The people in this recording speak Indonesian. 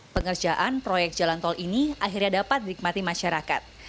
pengerjaan proyek jalan tol ini akhirnya dapat dinikmati masyarakat